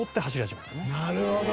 なるほど！